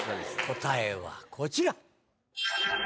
答えはこちら。